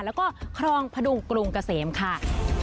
แล้วก็ครองพดุงกรุงเกษมค่ะ